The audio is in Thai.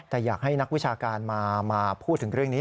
แต่อยากให้นักวิชาการมาพูดถึงเรื่องนี้